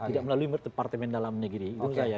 tidak melalui departemen dalam negeri itu saja